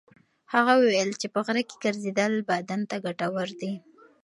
هغه وویل چې په غره کې ګرځېدل بدن ته ګټور دي.